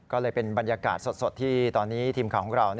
ก็เลยเป็นบรรยากาศสดที่ตอนนี้ทีมข่าวของเรา